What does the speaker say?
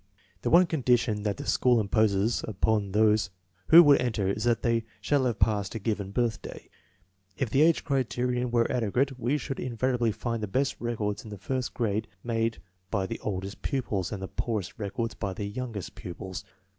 The one condition that the school imposes upon those who would enter is that they shall have passed a given birthday. If the age criterion were adequate we should invariably find the best records in the first grade made by the oldest pupils, and the poorest records by the youngest pupils.